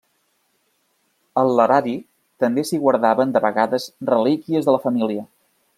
Al larari, també s'hi guardaven de vegades relíquies de la família.